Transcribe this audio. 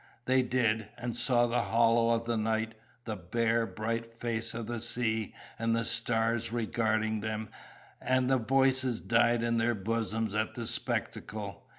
They did, and saw the hollow of the night, the bare, bright face of the sea, and the stars regarding them; and the voices died in their bosoms at the spectacle.